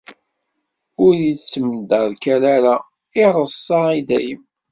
Ur ittemderkal ara, ireṣṣa i dayem.